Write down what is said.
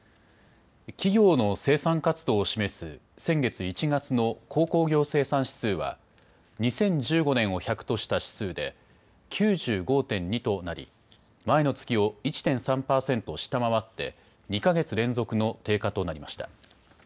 企業の生産活動を示す先月１月の鉱工業生産指数は２０１５年を１００とした指数で９５．２となり前の月を１．３％下回って２か月連続の低下となりました。